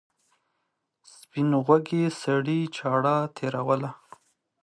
سپین غوږي سړي چاړه تېروله.